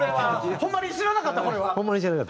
ホンマに知らなかった。